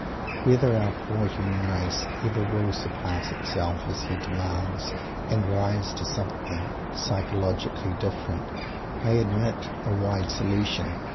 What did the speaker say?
Whether our poor human race ever will surpass itself, as he demands, and rise to something psychologically different, "may admit a wide solution."